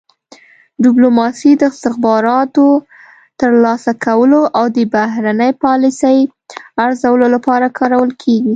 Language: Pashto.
ډیپلوماسي د استخباراتو ترلاسه کولو او د بهرنۍ پالیسۍ ارزولو لپاره کارول کیږي